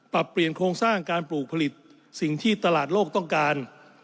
ปรับเปลี่ยนโครงสร้างการปลูกผลิตสิ่งที่ตลาดโลกต้องการ